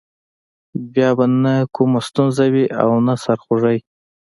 بیا به نه کومه ستونزه وي او نه سر خوږی.